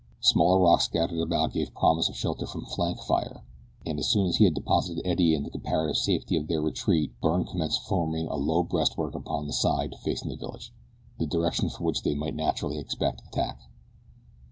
Smaller rocks scattered about gave promise of shelter from flank fire, and as soon as he had deposited Eddie in the comparative safety of their retreat Byrne commenced forming a low breastwork upon the side facing the village the direction from which they might naturally expect attack.